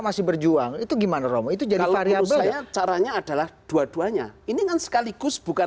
masih berjuang itu gimana romo itu jadi waktu saya caranya adalah dua duanya ini kan sekaligus bukan